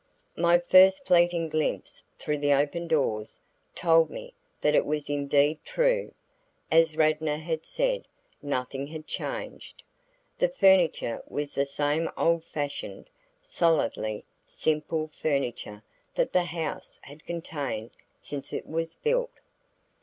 My first fleeting glimpse through the open doors told me that it was indeed true, as Radnor had said, nothing had changed. The furniture was the same old fashioned, solidly simple furniture that the house had contained since it was built.